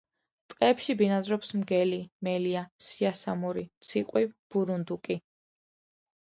ტყეებში ბინადრობს მგელი, მელია, სიასამური, ციყვი, ბურუნდუკი.